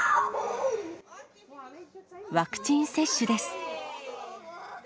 ワクチン接種です。